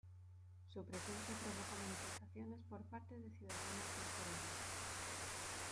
Su presencia provocó manifestaciones por parte de ciudadanos surcoreanos.